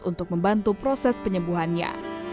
untuk membantu proses penyembuhannya